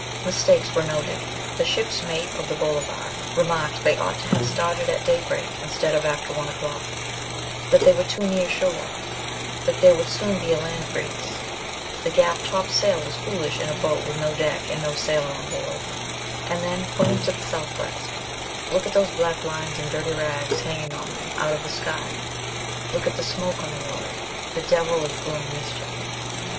Mistakes were noted, the ship's mate of the Bolivar remarking they ought to have started at daybreak LAST MONTHS WITH SHELLEY. 169 instead of after one o'clock ; that they were too near shore ; that there would soon be a land breeze ; the gaff top sail was foolish in a boat with no deck and no sailor on board; and then, pointing to the south west, " Look at those black lines and dirty rags hang ing on them out of the sky ; look at the smoke on the water ; the devil is brewing mischief.'